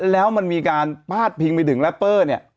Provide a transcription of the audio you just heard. แล้วมันมีการพาดพิงไปถึงแรปเปอร์เนี่ย